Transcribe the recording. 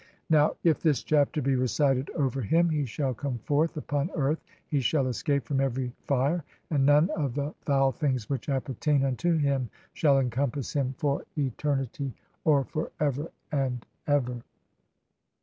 NOW, IF THIS CHAPTER BE RECITED OVER HIM, HE SHALL COME FORTH UPON EARTH, HE SHALL ESCAPE FROM EVERY FIRE ; AND NONE OF THE FOUL THINGS WHICH APPERTAIN UNTO HIM SHALL ENCOMPASS HIM FOR ETER NITY OR FOR EVER AND EVER.